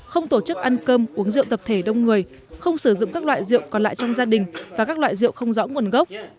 không tổ chức ăn cơm uống rượu tập thể đông người không sử dụng các loại rượu còn lại trong gia đình và các loại rượu không rõ nguồn gốc